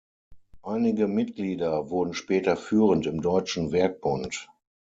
Einige Mitglieder wurden später führend im Deutschen Werkbund.